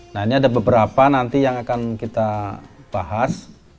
nah ini ada beberapa nanti yang akan kita bahas